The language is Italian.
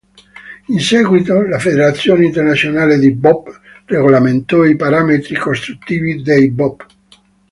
In seguito la federazione internazionale di bob regolamentò i parametri costruttivi dei bob.